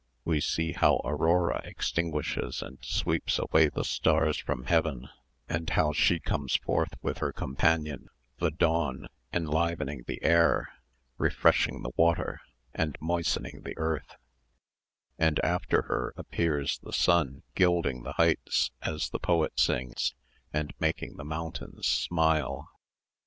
We see how Aurora extinguishes and sweeps away the stars from heaven, and how she comes forth with her companion the dawn, enlivening the air, refreshing the water, and moistening the earth; and after her appears the sun gilding the heights, as the poet sings, and making the mountains smile.